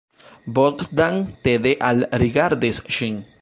Bogdan tede alrigardis ŝin.